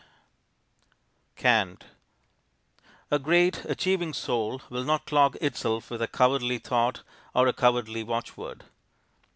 CAN'T A great, achieving soul will not clog itself with a cowardly thought or a cowardly watchword.